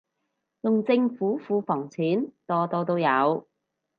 用政府庫房錢，多多都有